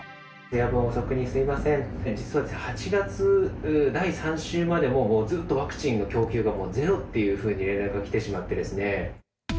夜分遅くにすみません、実は８月第３週まで、もうずっと、ワクチンの供給がゼロっていうふうに連絡が来てしまってですね。